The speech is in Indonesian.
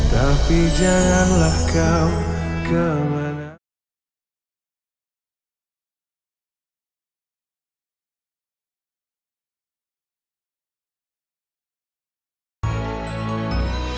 tapi janganlah kau kemana